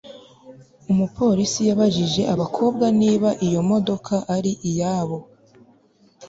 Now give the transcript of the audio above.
umupolisi yabajije abakobwa niba iyo modoka ari iyabo